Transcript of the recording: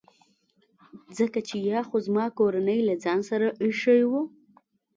ځکه چي یا خو زما کورنۍ له ځان سره ایښي وو.